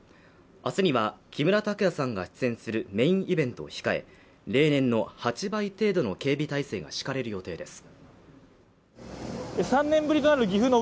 明日には木村拓哉さんが出演するメインイベントを控え例年の８倍程度の警備態勢が敷かれる予定です